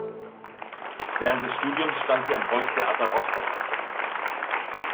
Während des Studiums stand sie am Volkstheater Rostock auf der Bühne.